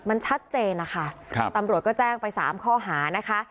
มันชัดเจนนะคะครับตำรวจก็แจ้งไป๓ข้อหานะคะ